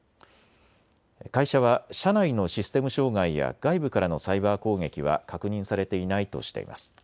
会社は社内のシステム障害や外部からのサイバー攻撃は確認されていないとしています。